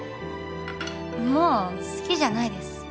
もう好きじゃないです。